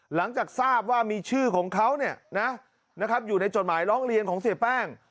หลังจากทราบว่ามีชื่อของเขาอยู่ในจดหมายร้องเรียนของเสียแป้ง